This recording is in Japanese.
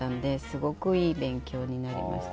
すごくいい勉強になりました。